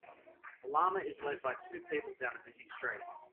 A llama is lead by two people down a busy street.